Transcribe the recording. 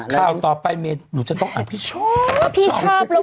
ข้าวต่อไปต้องอ่านฉ่อว